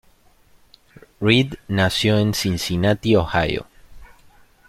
Reid nació en Cincinnati, Ohio.